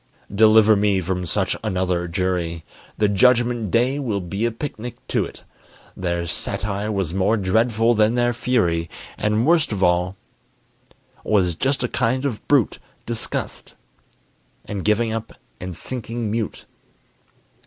Deliver me from such another jury! The Judgment day will be a picnic to't. Their satire was more dreadful than their fury, And worst of all was just a kind of brute Disgust, and giving up, and sinking mute.